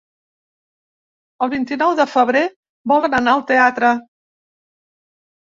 El vint-i-nou de febrer volen anar al teatre.